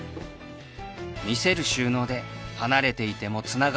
見せる収納で離れていてもつながっている